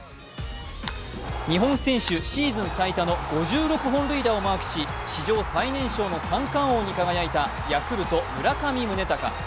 日本選手シーズン最多の５６本塁打をマークし史上最年少の三冠王に輝いたヤクルト・村上宗隆。